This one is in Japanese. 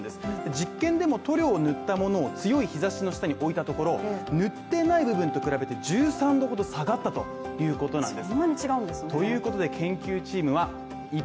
実験でも塗料を塗ったものを強い日ざしの下に置いたところ塗っていない部分と比べて１３度ほど下がったということなんです。